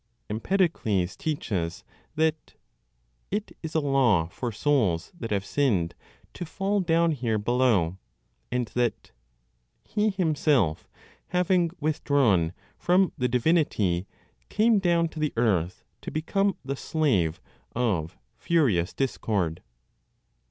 Empedocles teaches that "it is a law for souls that have sinned to fall down here below;" and that "he himself, having withdrawn from the divinity, came down to the earth to become the slave of furious discord."